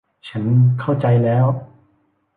ฉันเข้าใจแล้ว